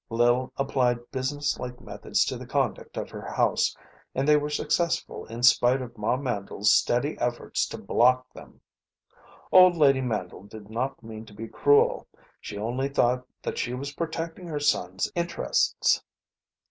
Lil applied businesslike methods to the conduct of her house, and they were successful in spite of Ma Mandle's steady efforts to block them. Old lady Mandle did not mean to be cruel. She only thought that she was protecting her son's interests.